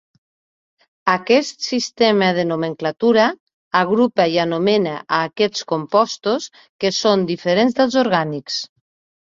Aquest sistema de nomenclatura agrupa i anomena a aquests compostos, que són diferents dels orgànics.